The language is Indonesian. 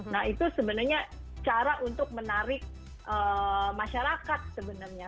nah itu sebenarnya cara untuk menarik masyarakat sebenarnya